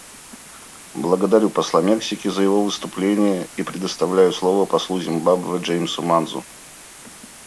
Благодарю посла Мексики за его выступление и предоставляю слово послу Зимбабве Джеймсу Манзу.